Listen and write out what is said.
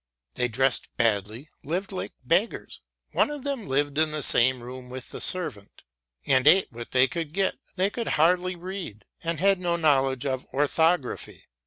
They dressed badly, lived like beggars one of them lived in the same room with the servant and ate what they could get; they could hardly read, and had no knowledge of orthography.